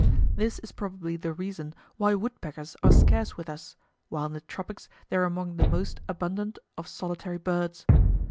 This is probably the reason why woodpeckers are scarce with us, while in the tropics they are among the most abundant of solitary birds.